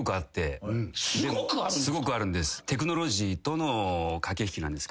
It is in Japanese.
すごくあるんですか？